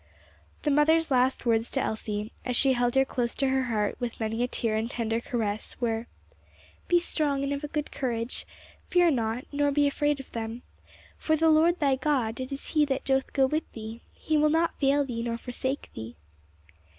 The mother's last words to Elsie, as she held her close to her heart with many a tear and tender caress, were: "'Be strong and of a good courage, fear not, nor be afraid of them, for the Lord thy God, he it is that doth go with thee, he will not fail thee, nor forsake thee.'